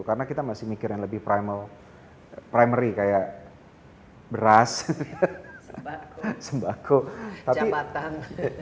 karena kita masih mikir yang lebih primary kayak beras sembako tapi batang